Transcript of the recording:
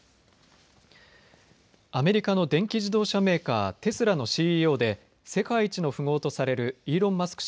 アメリカの電気自動車メーカー、テスラのＣＥＯで世界一の富豪とされるイーロン・マスク